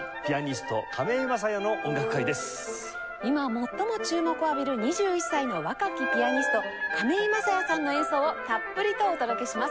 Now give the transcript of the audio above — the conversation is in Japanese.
今最も注目を浴びる２１歳の若きピアニスト亀井聖矢さんの演奏をたっぷりとお届けします。